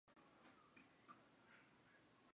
容迪亚是巴西阿拉戈斯州的一个市镇。